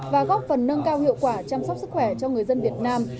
và góp phần nâng cao hiệu quả chăm sóc sức khỏe cho người dân việt nam